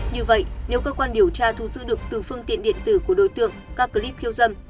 như vậy nếu cơ quan điều tra thu giữ được từ phương tiện điện tử của đối tượng các clip khiêu dâm